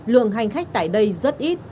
lượng hành khách tại đây rất ít